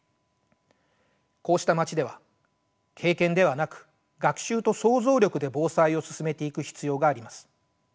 こうした街では経験ではなく学習と想像力で防災を進めていく必要があります。